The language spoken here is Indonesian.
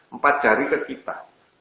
empat jari ke kita